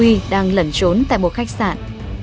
nguyễn vích huy đang lẩn trốn tại một khách sạn